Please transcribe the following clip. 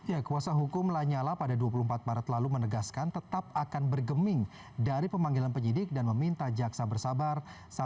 ya kuasa hukum lanyala pada dua puluh empat maret lalu menegaskan tetap akan bergeming dari pemanggilan penyidik dan meminta jaksa bersabar